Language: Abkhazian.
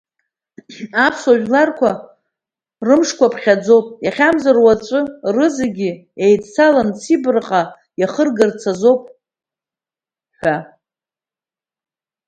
Аԥсуа жәлар рымшқәа ԥхьаӡоуп, иахьамзар уаҵәы рызегьы еидцаланы Сибраҟа иахыргарацы азы ауп ҳәа.